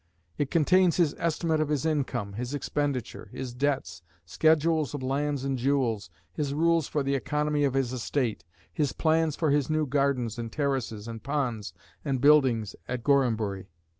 It contains his estimate of his income, his expenditure, his debts, schedules of lands and jewels, his rules for the economy of his estate, his plans for his new gardens and terraces and ponds and buildings at Gorhambury.